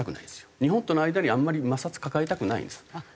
日本との間にあんまり摩擦抱えたくないんです。